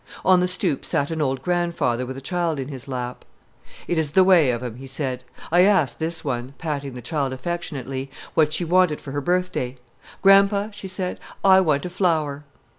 On the stoop sat an old grandfather with a child in his lap. "It is the way of 'em," he said. "I asked this one," patting the child affectionately, "what she wanted for her birthday. 'Gran'pa,' she said, 'I want a flower.'